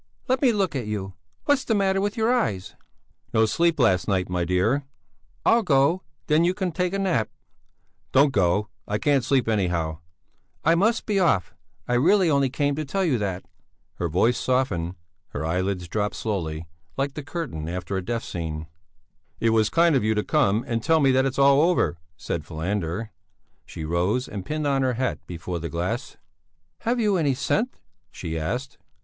"Let me look at you! What's the matter with your eyes?" "No sleep last night, my dear!" "I'll go, then you can take a nap." "Don't go! I can't sleep anyhow!" "I must be off! I really only came to tell you that." Her voice softened; her eyelids dropped slowly, like the curtain after a death scene. "It was kind of you to come and tell me that it's all over," said Falander. She rose and pinned on her hat before the glass. "Have you any scent?" she asked.